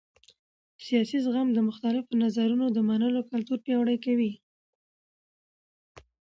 سیاسي زغم د مختلفو نظرونو د منلو کلتور پیاوړی کوي